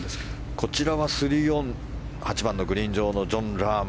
こちらは３オン８番のグリーン上のジョン・ラーム。